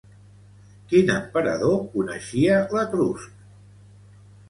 Quin emperador coneixia l'etrusc?